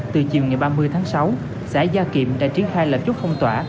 từ chiều ngày ba mươi tháng sáu xã gia kiệm đã triển khai lập chốt phong tỏa